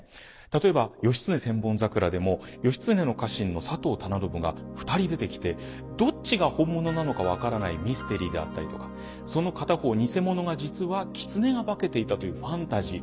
例えば「義経千本桜」でも義経の家臣の佐藤忠信が２人出てきてどっちが本物なのか分からないミステリーであったりとかその片方偽者が実は狐が化けていたというファンタジー